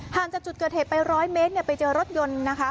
จากจุดเกิดเหตุไป๑๐๐เมตรไปเจอรถยนต์นะคะ